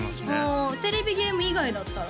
あテレビゲーム以外だったら？